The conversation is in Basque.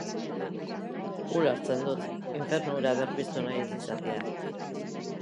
Ulertzen dut infernu hura berpiztu nahi ez izatea.